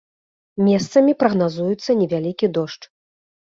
Месцамі прагназуецца невялікі дождж.